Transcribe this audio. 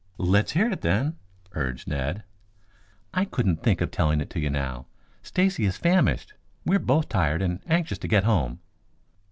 "Let's hear it, then," urged Ned. "I couldn't think of telling it to you now. Stacy is famished; we are both tired and anxious to get home."